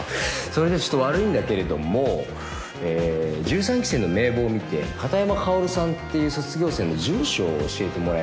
それじゃあちょっと悪いんだけれども１３期生の名簿を見て片山薫さんという卒業生の住所を教えてもらえるかな？